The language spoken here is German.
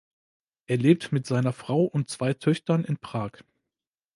Er lebt mit seiner Frau und zwei Töchtern in Prag.